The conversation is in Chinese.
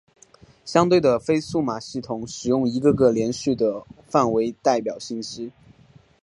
相对的非数码系统使用一个个连续的范围代表信息。